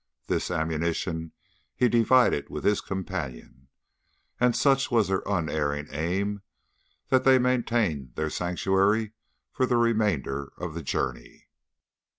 This ammunition he divided with his companion, and such was their unerring aim that they maintained their sanctuary for the remainder of the journey.